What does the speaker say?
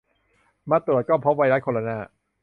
มาตรวจก็พบไวรัสโคโรนา